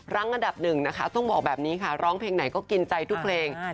อันดับหนึ่งนะคะต้องบอกแบบนี้ค่ะร้องเพลงไหนก็กินใจทุกเพลง